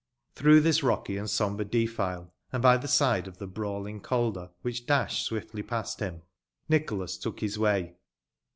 Through this rocky and sombre defile, and by the side of the brawling Calder, which dashed swiftly past him, Nicholas took his way.